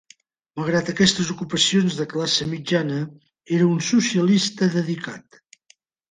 Malgrat aquestes ocupacions de classe mitjana, era un socialista dedicat.